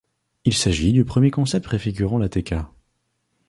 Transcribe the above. Il s'agit du premier concept préfigurant l'Ateca.